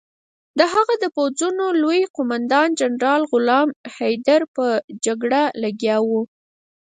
د هغه د پوځونو لوی قوماندان جنرال غلام حیدر په جګړه لګیا وو.